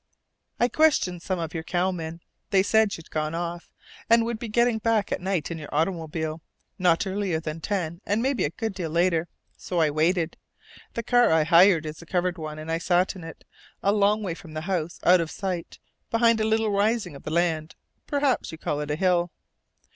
"I questioned some of your cowmen. They said you'd gone off, and would be getting back at night in your automobile, not earlier than ten and maybe a good deal later. So I waited. The car I hired is a covered one, and I sat in it, a long way from the house out of sight behind a little rising of the land. Perhaps you call it a hill."